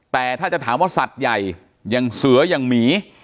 แต่ถ้าจะถามว่าสัตว์ใหญ่อย่างเสืออย่างหมี